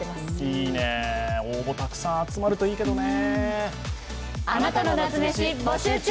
いいね、応募たくさん集まるといいけどね。